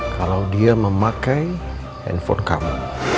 kalau dia memakai handphone kamu